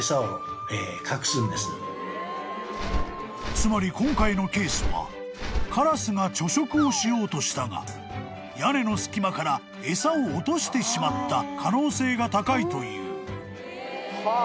［つまり今回のケースはカラスが貯食をしようとしたが屋根の隙間から餌を落としてしまった可能性が高いという］